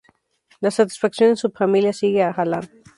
La clasificación en subfamilias sigue a Hallan